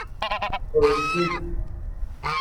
پرسید